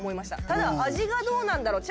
ただ味がどうなんだろう？